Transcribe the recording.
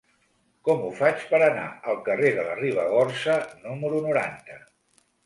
Com ho faig per anar al carrer de la Ribagorça número noranta?